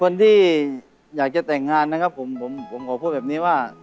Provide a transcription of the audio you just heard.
คนที่อยากจะแต่งงานนะครับผมผมขอพูดแบบนี้ว่า